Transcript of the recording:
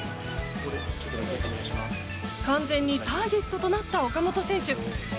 完全にターゲットとなった岡本選手。